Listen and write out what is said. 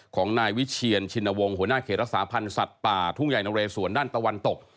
ของนายวิเชียนชินวงศ์หัวหน้าเขตรักษาพันธ์สัตว์ป่าทุ่งใหญ่นเรสวนด้านตะวันตก